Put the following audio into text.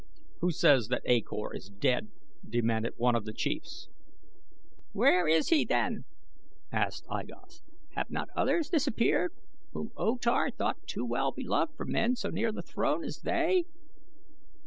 "Who says that A Kor is dead?" demanded one of the chiefs. "Where is he then?" asked I Gos. "Have not others disappeared whom O Tar thought too well beloved for men so near the throne as they?"